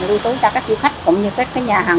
lưu tố cho các du khách cũng như các nhà hàng